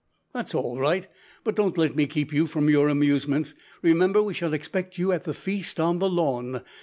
That's all right. But don't let me keep you from your amusements. Remember, we shall expect you at the feast on the lawn.